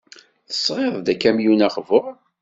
Tesɣiḍ-d akamyun aqbur.